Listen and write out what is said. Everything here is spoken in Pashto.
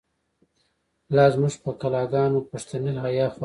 لا زمونږ په کلا گانو، پښتنی حیا خوره ده